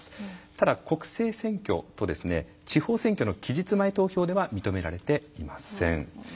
ただ、国政選挙と地方選挙の期日前投票では認められていません。